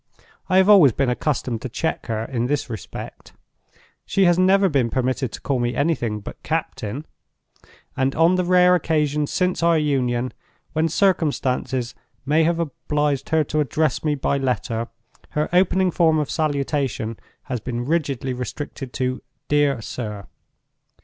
I have always been accustomed to check her, in this respect. She has never been permitted to call me anything but Captain; and on the rare occasions since our union, when circumstances may have obliged her to address me by letter, her opening form of salutation has been rigidly restricted to 'Dear Sir.